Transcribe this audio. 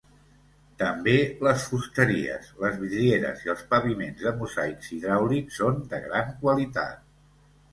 També les fusteries, les vidrieres i els paviments de mosaics hidràulics són de gran qualitat.